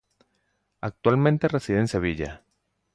Actualmente reside en Sevilla.